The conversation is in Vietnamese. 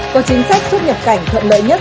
có chính sách thuốc nhập cảnh thuận lợi nhất